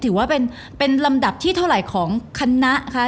ถือว่าเป็นลำดับที่เท่าไหร่ของคณะค่ะ